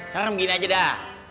sekarang begini aja dah